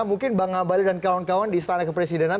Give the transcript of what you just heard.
mungkin bang abalin dan kawan kawan di istana kepresidenan